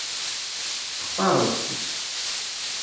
Textaṛeḍ-tt?